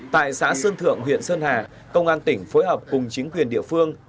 tại xã sơn thượng huyện sơn hà công an tỉnh phối hợp cùng chính quyền địa phương